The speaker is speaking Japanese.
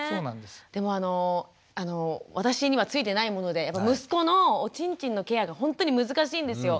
でもあの私にはついてないもので息子のおちんちんのケアがほんとに難しいんですよ。